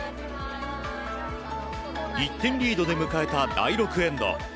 １点リードで迎えた第６エンド。